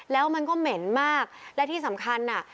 แล้วมันก็เหม็นมากและที่สำคัญอ่ะ